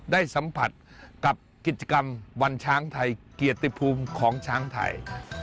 ได้สัมผัสกับกิจกรรมวันช้างไทยเกียรติภูมิของช้างไทย